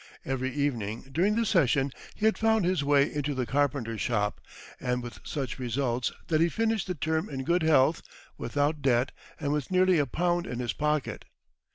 Every evening during the session he had found his way into the carpenter's shop, and with such results, that he finished the term in good health, without debt, and with nearly a pound in his pocket.